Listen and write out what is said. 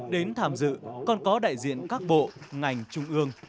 đến tham dự còn có đại diện các bộ ngành trung ương